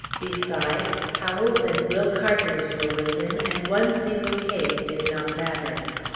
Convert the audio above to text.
Besides, Howell's and Will Carter's were with him, and one single case did not matter.